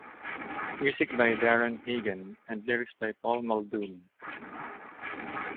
Music by Daron Hagen and lyrics by Paul Muldoon.